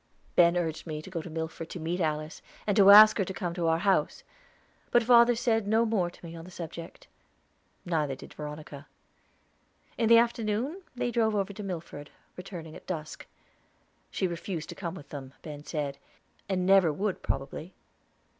Ben urged me to go to Milford to meet Alice, and to ask her to come to our house. But father said no more to me on the subject. Neither did Veronica. In the afternoon they drove over to Milford, returning at dusk. She refused to come with them, Ben said, and never would probably.